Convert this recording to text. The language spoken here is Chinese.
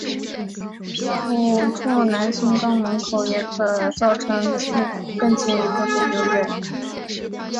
抚触男性肛门口也可造成更进一步的愉悦感。